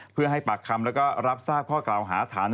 เพื่อให้ปากคำแล้วก็รับทราบข้อกล่าวหาฐาน